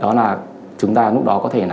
đó là chúng ta lúc đó có thể